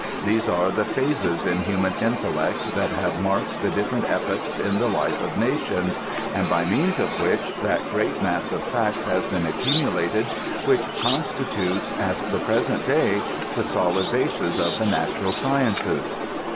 These are the phases in human intellect that have marked the difierent epochs in the life of nations, and by means of which that great mass of facts has been accumulated which constitutes at the present day the solid basis of the natural sciences.